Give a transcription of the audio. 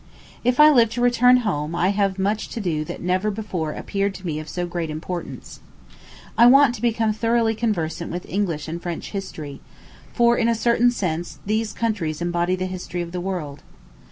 If I live to return home, I have much to do that never before appeared to me of so great importance. I want to become thoroughly conversant with English and French history; for, in a certain sense, these countries embody the history of the world.